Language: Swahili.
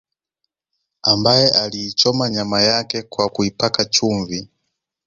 Ambaye aliichoma nyama yake kwa kuipaka chumvi